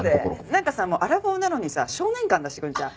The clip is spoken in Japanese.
なんかさもうアラフォーなのにさ少年感出してくるじゃん。